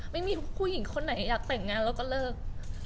ไม่มีผู้หญิงคนไหนอยากแต่งงานแล้วก็เลิก